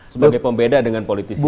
sebagai pembeda dengan politisi yang lain